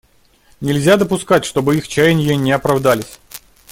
Нельзя допускать, чтобы их чаяния не оправдались.